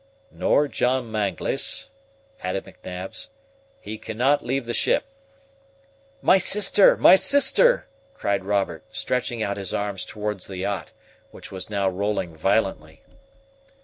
"Nor John Mangles," added McNabbs; "he cannot leave the ship." "My sister, my sister!" cried Robert, stretching out his arms toward the yacht, which was now rolling violently.